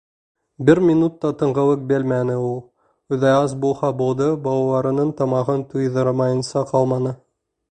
Бер минут та тынғылыҡ белмәне ул. Үҙе ас булһа булды, балаларының тамағын туйҙырмайынса ҡалманы.